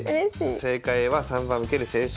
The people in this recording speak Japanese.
正解は３番「受ける青春」。